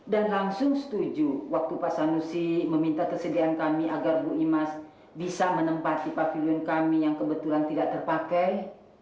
dan langsung setuju waktu pak sanusi meminta kesedihan kami agar ibu imas bisa menempati pavilion kami yang kebetulan tidak terpakai